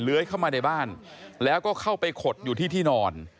เข้ามาในบ้านแล้วก็เข้าไปขดอยู่ที่ที่นอน